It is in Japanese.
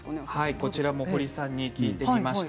こちらも堀さんに聞きました。